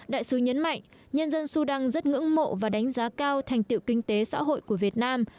đại sứ nhấn mạnh nhân dân sudan rất ngưỡng mộ và đánh giá cao thành tiệu kinh tế xã hội của việt nam